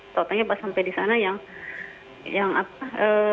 tentunya pas sampai di sana yang yang apa